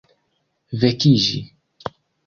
vekiĝi